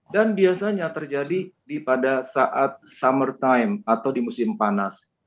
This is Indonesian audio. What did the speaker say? dan biasanya terjadi pada saat summer time atau di musim panas